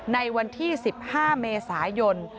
ในวันที่๑๕เมษายน